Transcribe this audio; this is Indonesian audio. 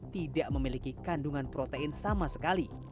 tidak memiliki kandungan protein sama sekali